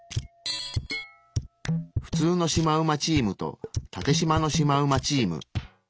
普通のシマウマチームとタテしまのシマウマチーム。